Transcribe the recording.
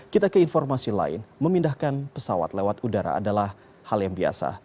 kita ke informasi lain memindahkan pesawat lewat udara adalah hal yang biasa